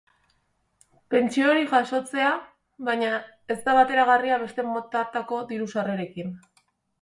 Pentsio hori jasotzea, baina, ez da bateragarria beste motatako diru-sarrerekin.